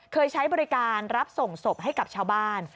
ใช้บริการรับส่งศพให้กับชาวบ้าน